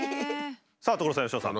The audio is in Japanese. さあ所さん佳乃さん。